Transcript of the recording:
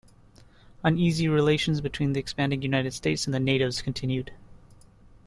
Uneasy relations between the expanding United States and the natives continued.